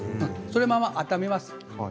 そのまま温めます。